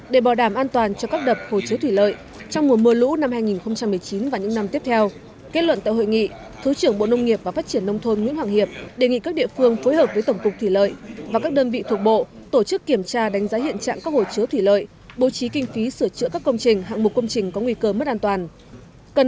để bảo đảm an toàn cho các đập hồ chứa thủy lợi trong mùa mưa lũ năm hai nghìn một mươi chín và những năm tiếp theo kết luận tại hội nghị thứ trưởng bộ nông nghiệp và phát triển nông thôn nguyễn hoàng hiệp đề nghị các địa phương phối hợp với tổng cục thủy lợi và các đơn vị thuộc bộ tổ chức kiểm tra đánh giá hiện trạng các hồ chứa thủy lợi bố trí kinh phí sửa chữa các công trình hạng mục công trình có nguy cơ mất an toàn